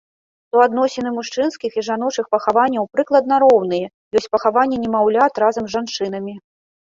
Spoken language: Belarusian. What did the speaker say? Суадносіны мужчынскіх і жаночых пахаванняў прыкладна роўныя, ёсць пахаванні немаўлят разам з жанчынамі.